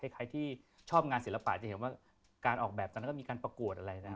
ใครที่ชอบงานศิลปะจะเห็นว่าการออกแบบตอนนั้นก็มีการประกวดอะไรนะ